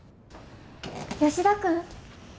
吉田君。